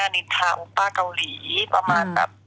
เรารู้จักกัน